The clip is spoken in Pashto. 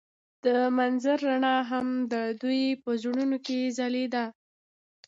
د منظر رڼا هم د دوی په زړونو کې ځلېده.